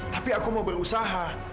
tapi aku mau berusaha